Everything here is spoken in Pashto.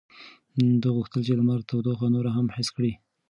ده غوښتل چې د لمر تودوخه نوره هم حس کړي.